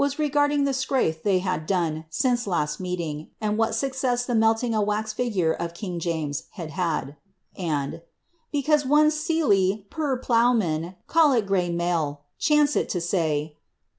ri'g:irding the skaiih they had done since last meeting, atid what ?iicet*' the melting a wax figure of king James had had;' and 'becau^i' one set lv puir plowinan, callit Grev .MeiJt. chancit to sav.